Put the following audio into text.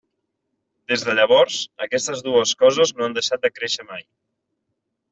Des de llavors, aquestes dues coses no han deixat de créixer mai.